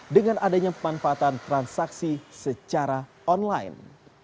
dengan adanya pemanfaatan transaksi secara online